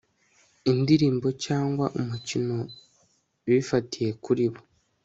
indirimbo cyangwa umukino bifatiye kuri bo